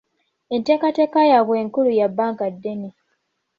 Enteekateeka y'abwe enkulu ya bbanga ddene.